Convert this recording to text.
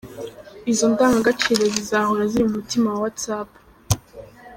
Izo ndangagaciro zizahora ziri mu mutima wa WhatsApp.